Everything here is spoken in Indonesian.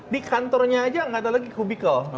di kantornya saja tidak ada lagi kubikal